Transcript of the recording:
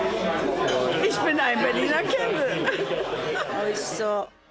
おいしそう。